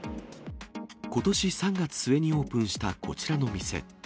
ことし３月末にオープンしたこちらの店。